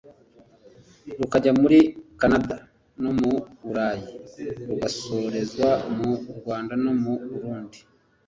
rukajya muri Canada no mu Burayi rugasorezwa mu Rwanda no mu Burundi